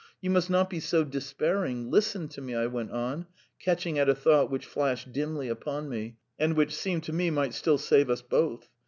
You must not be so despairing; listen to me," I went on, catching at a thought which flashed dimly upon me, and which seemed to me might still save us both.